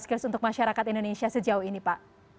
skes untuk masyarakat indonesia sejauh ini pak